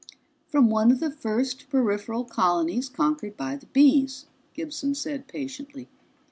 "From one of the first peripheral colonies conquered by the Bees," Gibson said patiently.